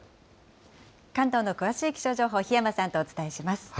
関東の詳しい気象情報、檜山さんとお伝えします。